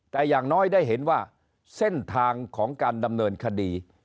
แต่อย่างน้อยได้เห็นว่าเส้นทางของการดำเนินคดี